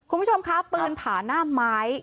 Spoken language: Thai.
คุณผู้ชมคะปืนผาหน้าไม้